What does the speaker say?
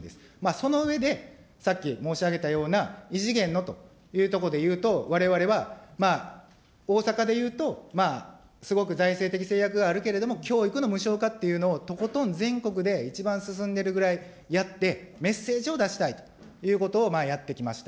その上で、さっき申し上げたような異次元のというとこでいうと、われわれはまあ、大阪でいうと、すごく財政的制約があるけれども、教育の無償化というのを、とことん全国で一番進んでいるぐらいやって、メッセージを出したいということをやってきました。